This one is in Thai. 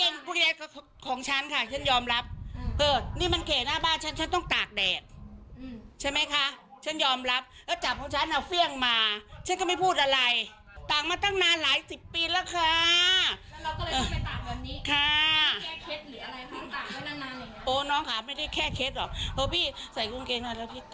น้องค่ะไม่ได้แค่เคล็ดหรอกเพราะพี่ใส่กุญเกงน่ะแล้วพี่จะต้องไปตากแดด